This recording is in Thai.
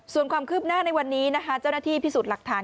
ส่วนความคืบหน้าในวันนี้นะคะเจ้าหน้าที่พิสูจน์หลักฐาน